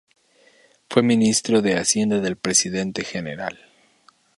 Fue Ministro de Hacienda del Presidente Gral.